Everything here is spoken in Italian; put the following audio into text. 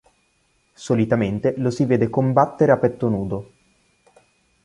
Solitamente lo si vede combattere a petto nudo.